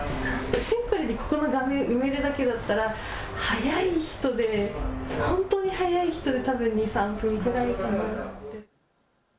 シンプルに、ここの画面、埋めるだけだったら本当に早い人でたぶん２、３分ぐらいかな。